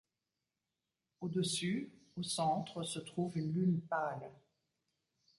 Au-dessus, au centre se trouve une lune pâle.